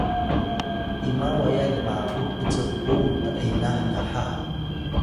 ima waya lma’ux pcpung t’enah naha?